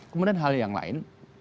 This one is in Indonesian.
kemudian hal yang lain